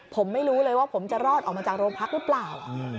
ผมไม่รู้เลยว่าผมจะรอดออกมาจากโรงพักหรือเปล่า